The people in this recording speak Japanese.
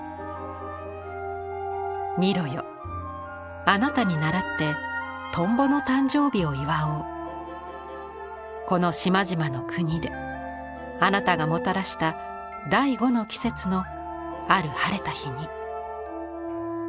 「ミロよあなたにならって蜻蛉の誕生日を祝おうこの島々の国であなたがもたらした第五の季節のある晴れた日に」。